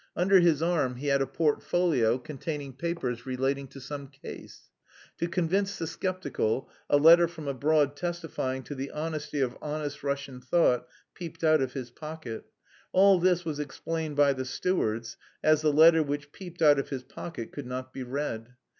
Under his arm he had a portfolio containing papers relating to some "case." To convince the sceptical, a letter from abroad testifying to the honesty of "honest Russian thought" peeped out of his pocket. All this was explained by the stewards, as the letter which peeped out of his pocket could not be read.